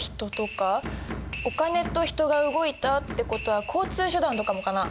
お金と人が動いたってことは交通手段とかもかな。